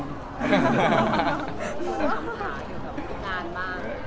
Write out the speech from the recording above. มีปัญหาเกี่ยวกับพี่กานบ้าง